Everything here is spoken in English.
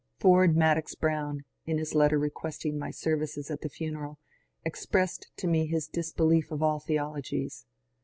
Ford Madox Brown, in his letter requesting my services at the funeral, expressed to me his disbelief of all theologies.